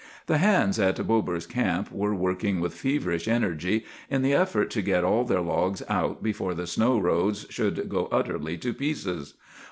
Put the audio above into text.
The hands at Bober's Camp were working with feverish energy, in the effort to get all their logs out before the snow roads should go utterly to pieces.